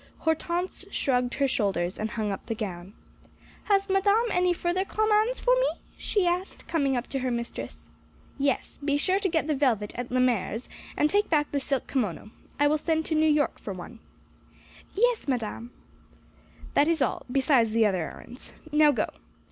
Hortense shrugged her shoulders, and hung up the gown. "Has Madame any further commands for me?" she asked, coming up to her mistress. "Yes; be sure to get the velvet at Lemaire's, and take back the silk kimono. I will send to New York for one." "Yes, Madame." "That is all besides the other errands. Now go."